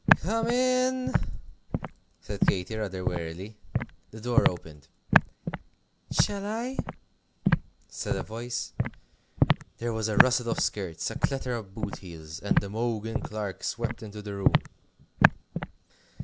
"Come in!" said Katy, rather wearily. The door opened. "Shall I?" said a voice. There was a rustle of skirts, a clatter of boot heels, and Imogen Clark swept into the room.